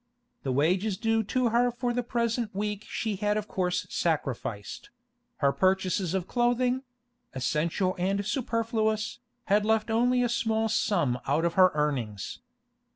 The wages due to her for the present week she had of course sacrificed; her purchases of clothing—essential and superfluous—had left only a small sum out of her earnings.